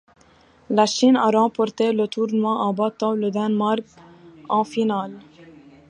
La Chine a remporté le tournoi en battant le Danemark en finale.